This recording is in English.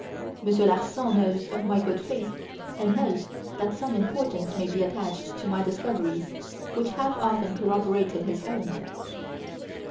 Monsieur Larsan knows of my good faith and knows that some importance may be attached to my discoveries, which have often corroborated his own."